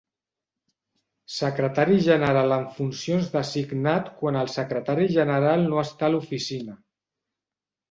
Secretari general en funcions designat quan el secretari general no està a l'oficina.